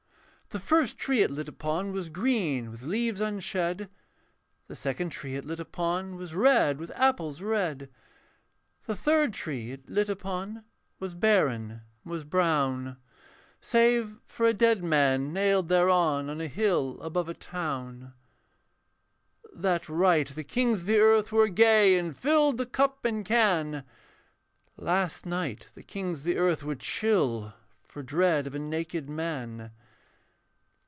The first tree it lit upon Was green with leaves unshed; The second tree it lit upon Was red with apples red; The third tree it lit upon Was barren and was brown, Save for a dead man nailed thereon On a hill above a town. That right the kings of the earth were gay And filled the cup and can; Last night the kings of the earth were chill For dread of a naked man.